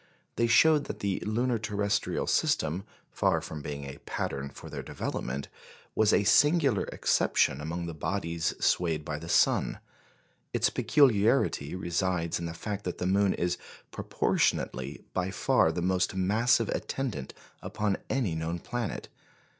They showed that the lunar terrestrial system, far from being a pattern for their development, was a singular exception among the bodies swayed by the sun. Its peculiarity resides in the fact that the moon is proportionately by far the most massive attendant upon any known planet.